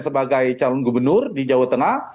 sebagai calon gubernur di jawa tengah